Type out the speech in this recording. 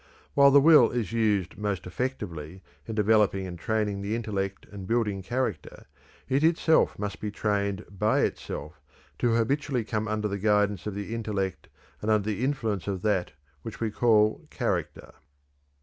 While the will is used most effectively in developing and training the intellect and building character, it itself must be trained by itself to habitually come under the guidance of the intellect and under the influence of that which we call character.